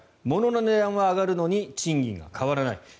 ものの値段は上がるのに賃金が変わらない。